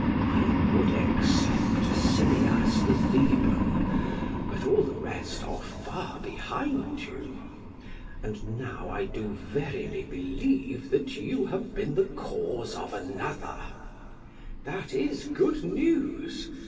I would except Simmias the Theban, but all the rest are far behind you. And now I do verily believe that you have been the cause of another. PHAEDRUS: That is good news.